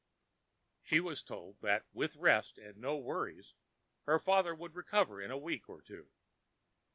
She was told that with rest and no worries, her father would recover in a week or two.